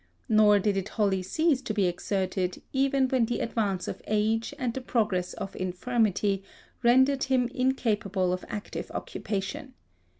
Nor did it wholly cease to be exerted even when the advance of age and the progress of infirmity rendered him incapable of active occupation.